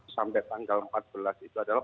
sampai tanggal empat belas itu adalah